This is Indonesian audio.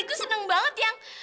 aku seneng banget yang